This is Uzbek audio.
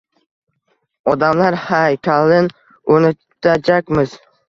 Odamlar haykalin o’rnatajakmiz.